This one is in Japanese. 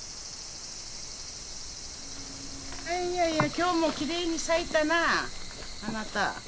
今日もきれいに咲いたなあなた。